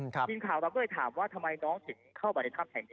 ทีมข่าวเราก็เลยถามว่าทำไมน้องถึงเข้าไปในถ้ำแห่งนี้